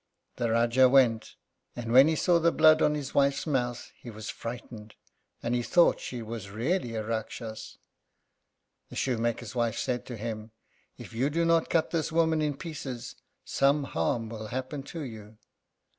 The Rájá went, and when he saw the blood on his wife's mouth he was frightened, and he thought she was really a Rakshas. The shoemaker's wife said to him, "If you do not cut this woman in pieces, some harm will happen to you."